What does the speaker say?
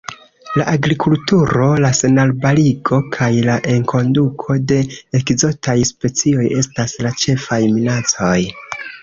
La agrikulturo, la senarbarigo kaj la enkonduko de ekzotaj specioj estas la ĉefaj minacoj.